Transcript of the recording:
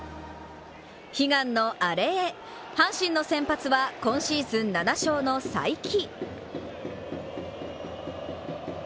悲願のアレへ、阪神の先発は今シーズン７勝の才木。